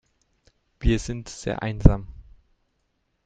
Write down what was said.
Wir sind sehr einsam.